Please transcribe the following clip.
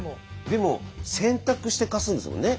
でも洗濯して貸すんですもんね。